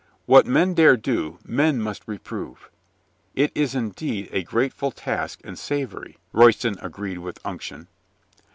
What men dare do men must reprove." "It is indeed a grateful task and savory," Royston agreed with unction.